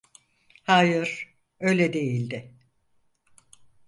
Hayır, öyle değildi.